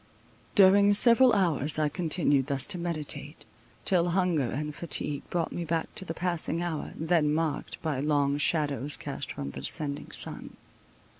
During several hours I continued thus to meditate, till hunger and fatigue brought me back to the passing hour, then marked by long shadows cast from the descending sun.